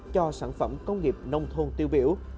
cho sản phẩm công nghiệp nông thôn tiêu biểu